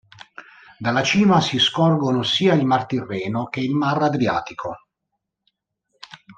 Dalla cima si scorgono sia il mar Tirreno, che il mar Adriatico.